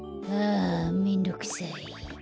あめんどくさい。